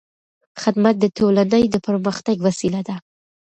خدمت د ټولنې د پرمختګ وسیله ده.